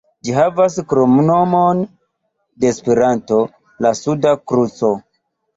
Ĝi havas kromnomon de Esperanto, "La Suda Kruco".